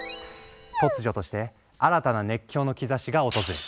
突如として新たな熱狂の兆しが訪れる。